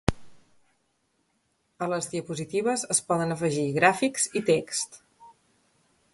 A les diapositives es poden afegir gràfics i text.